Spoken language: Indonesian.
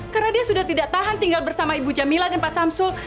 karena dia sudah tidak tahan tinggal bersama ibu jamila dan pak samsul